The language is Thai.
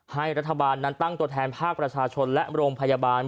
ให้รัฐบาลนั้นตั้งตัวแทนภาคประชาชนและโรงพยาบาล